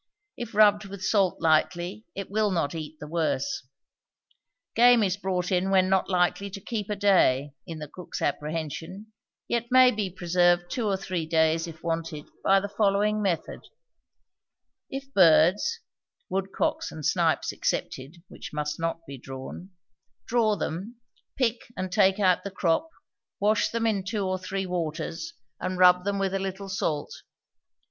If rubbed with salt lightly, it will not eat the worse. Game is brought in when not likely to keep a day, in the cook's apprehension, yet may be preserved two or three days if wanted, by the following method: If birds (woodcocks and snipes excepted, which must not be drawn), draw them, pick and take out the crop, wash them in two or three waters, and rub them with a little salt.